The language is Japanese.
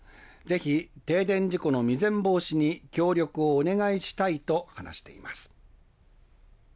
ぜひ停電事故の未然防止に協力をお願いしたいと話しています。